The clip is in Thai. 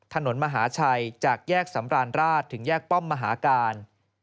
ถนนมหาชัยจากแยกสำราญราชถึงแยกป้อมมหาการ